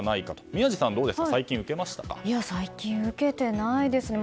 宮司さんはどうですか最近、受けましたか。